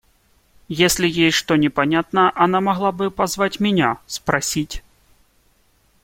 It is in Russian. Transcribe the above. Если ей что непонятно, она могла бы позвать меня, спросить.